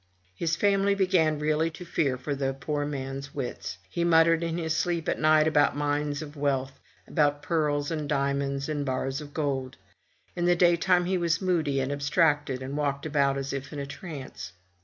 His family began really to fear for the poor man's wits. He muttered in his sleep at night about mines of wealth, about pearls and diamonds, and bars of gold. In the daytime he was moody and abstracted, and walked about as if in a trance.